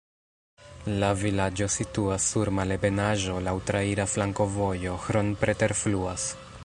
La vilaĝo situas sur malebenaĵo, laŭ traira flankovojo, Hron preterfluas.